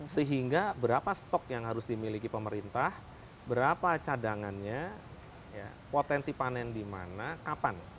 sehingga berapa stok yang harus dimiliki pemerintah berapa cadangannya potensi panen di mana kapan